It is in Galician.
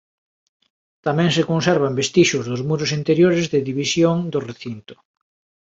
Tamén se conservan vestixios dos muros interiores de división do recinto.